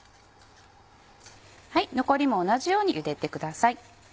残りも同じようにゆでてください。